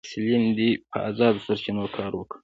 محصلین دي په ازادو سرچینو کار وکړي.